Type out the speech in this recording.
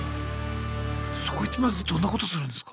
そこ行ってまずどんなことするんですか？